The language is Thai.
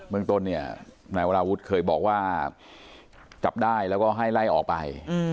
เมืองต้นเนี่ยนายวราวุฒิเคยบอกว่าจับได้แล้วก็ให้ไล่ออกไป